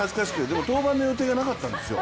でも登板の予定がなかったんですよ。